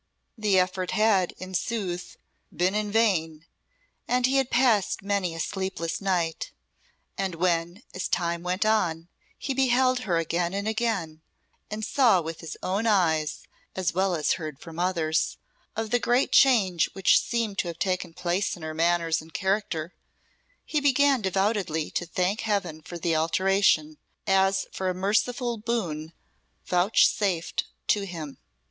The effort had, in sooth, been in vain, and he had passed many a sleepless night; and when, as time went on, he beheld her again and again, and saw with his own eyes, as well as heard from others, of the great change which seemed to have taken place in her manners and character, he began devoutly to thank Heaven for the alteration, as for a merciful boon vouchsafed to him.